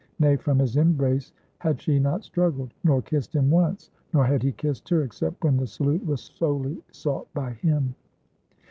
Nay, from his embrace had she not struggled? nor kissed him once; nor had he kissed her, except when the salute was solely sought by him.